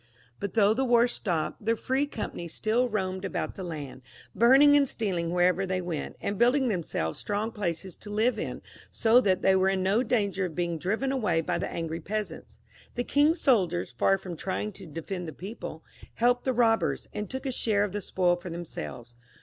But though the war stopped, the free companies still roamed about the land, burning and stealing wherever they went, and building themselves strong places to live in, so that they were in no danger of being driven away by the angry peasants. The king's soldiers, far from trying to defend the people, helped the robbers, and took a share of the spoil for themselves.